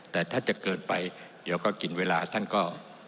แต่ถ้าจะเกินไปเดี๋ยวก็กินเวลาท่านก็